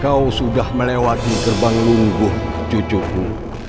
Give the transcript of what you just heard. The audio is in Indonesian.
kau sudah melewati gerbang lumbuh cucuku